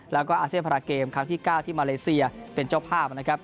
แล้วก็อาเซียนพาราเกมครั้งที่๙ที่มาเลเซียเป็นเจ้าภาพนะครับ